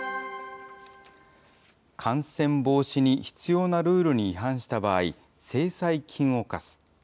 感染防止に必要なルールに違反した場合、制裁金を科す。